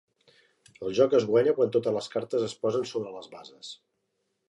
El joc es guanya quan totes les cartes es posen sobre les bases.